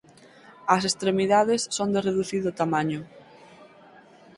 As extremidades son de reducido tamaño.